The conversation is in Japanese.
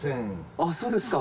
あっそうですか。